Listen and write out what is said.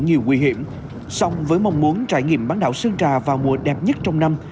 nhiều nguy hiểm song với mong muốn trải nghiệm bán đảo sơn trà vào mùa đẹp nhất trong năm